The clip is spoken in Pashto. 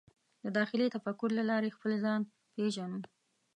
د داخلي تفکر له لارې خپل ځان پېژنو.